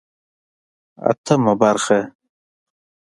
اتمه برخه